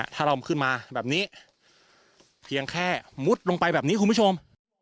ถ้าเราขึ้นมาแบบนี้เพียงแค่มุดลงไปแบบนี้คุณผู้ชม